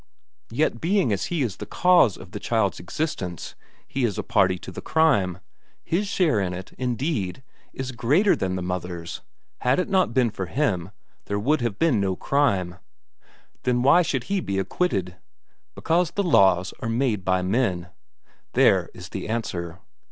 Yet being as he is the cause of the child's existence, he is a party to the crime; his share in it, indeed, is greater than the mother's; had it not been for him, there would have been no crime. Then why should he be acquitted? Because the laws are made by men. There is the answer.